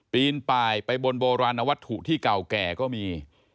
ปีนป่ายไปบนโบราณวัตถุที่เก่าแก่ก็มี